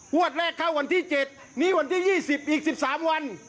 พวกแรกเข้าวันที่เจ็ดนี้วันที่ยี่สิบอีกสิบสามวัน